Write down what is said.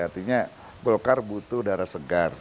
artinya golkar butuh darah segar